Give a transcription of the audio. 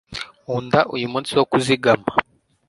nkunda uyu munsi wo kuzigama